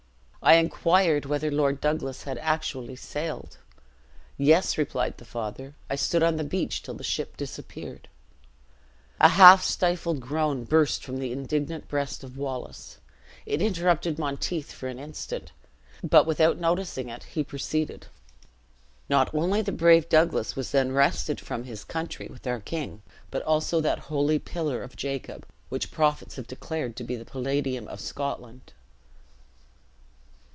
"I inquired whether Lord Douglas had actually sailed. 'Yes,' replied the father; 'I stood on the beach till the ship disappeared.'" A half stifled groan burst from the indignant breast of Wallace. It interrupted Monteith for an instant, but without noticing it he proceeded: "Not only the brave Douglas was then wrested from his country, with our king, but also that holy pillar of Jacob which prophets have declared to be the palladium of Scotland!"